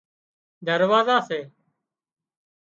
دروازا سي